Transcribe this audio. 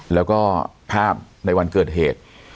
แล้วก็ภาพในวันเกิดเหตุ